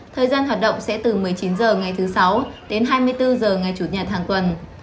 thời gian hoạt động sẽ từ một mươi chín h ngày thứ sáu đến hai mươi bốn h ngày chủ nhật hàng tuần